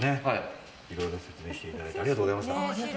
いろいろ説明していただいてありがとうございました。